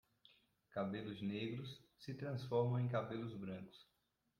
Cabelos negros se transformam em cabelos brancos